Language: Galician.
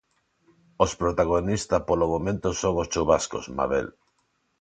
Os protagonista polo momento son os chuvascos, Mabel.